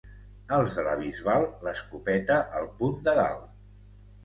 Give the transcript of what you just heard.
Els de la Bisbal, l'escopeta al punt de dalt.